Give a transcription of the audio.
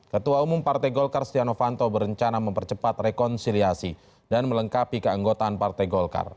ketua umum partai golkar stiano fanto berencana mempercepat rekonsiliasi dan melengkapi keanggotaan partai golkar